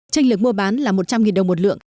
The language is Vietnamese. tranh lược mua bán là một trăm linh đồng một lượng